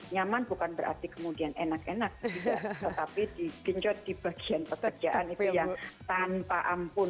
nyaman bukan berarti kemudian enak enak tetapi digenjot di bagian pekerjaan itu yang tanpa ampun